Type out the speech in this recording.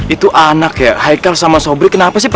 itu anak ya heikal sama sobri kenapa sih